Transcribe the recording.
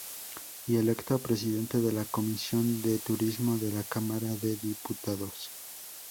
Y electo presidente de la Comisión de Turismo de la Cámara de Diputados.